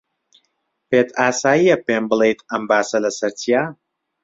پێت ئاسایییە پێم بڵێیت ئەم باسە لەسەر چییە؟